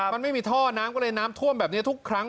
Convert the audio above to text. มันไม่มีท่อน้ำก็เลยน้ำท่วมแบบนี้ทุกครั้ง